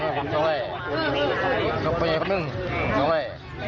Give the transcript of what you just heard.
แล้วมันกำลังกลับไปแล้วมันกำลังกลับไป